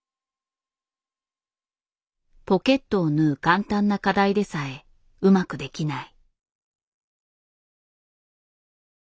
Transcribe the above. ポケットを縫う簡単な課題でさえうまくできない。